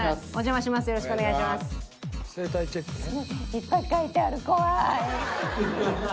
いっぱい書いてある。